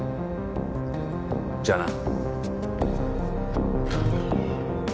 じゃあな。